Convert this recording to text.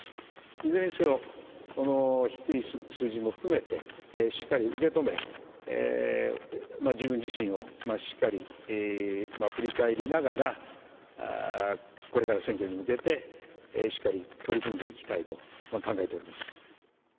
いずれにせよ、この低い数字も含めて、しっかり受け止め、自分自身をしっかり振り返りながら、これから選挙に向けてしっかり取り組んでいきたいと考えております。